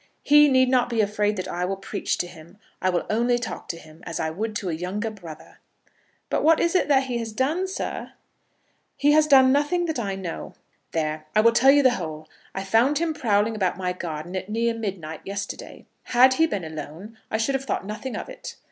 "He need not be afraid that I will preach to him. I will only talk to him, as I would to a younger brother." "But what is it that he has done, sir?" "He has done nothing that I know. There; I will tell you the whole. I found him prowling about my garden at near midnight, yesterday. Had he been alone I should have thought nothing of it.